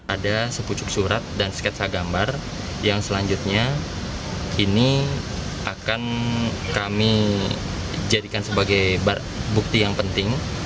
ada sepucuk surat dan sketsa gambar yang selanjutnya ini akan kami jadikan sebagai bukti yang penting